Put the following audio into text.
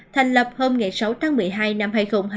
thành lập hôm sáu tháng một mươi hai năm hai nghìn hai mươi một